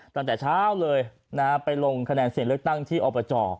ตั้งแต่เช้าเลยนะฮะไปลงคะแนนเสียงเลือกตั้งที่อบจ